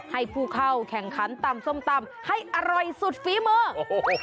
ให้ผู้เข้าแข่งขันตำส้มตำให้อร่อยสุดฝีมือโอ้โห